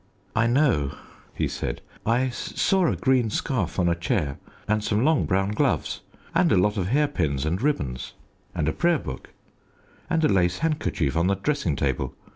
"I know," he said; "I saw a green scarf on a chair, and some long brown gloves, and a lot of hairpins and ribbons, and a prayer book, and a lace handkerchief on the dressing table.